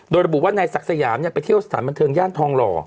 โดยระบุว่านายศักดิ์สยามไปเที่ยวสถานบันเทิงย่านทองหล่อ